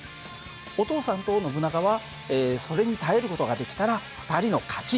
お父さんとノブナガはそれに耐える事ができたら２人の勝ち。